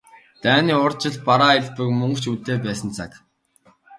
Дайны урьд жил бараа элбэг, мөнгө ч үнэтэй байсан цаг.